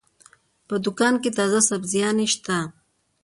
په دوکان کې تازه سبزيانې شته.